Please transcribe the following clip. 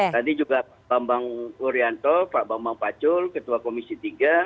tadi juga pak bambang urianto pak bambang pacul ketua komisi tiga